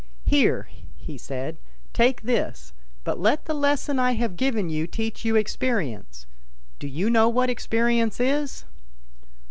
" Here," he said, "take this; but let the lesson I have given you teach you experience. Do you know what experience is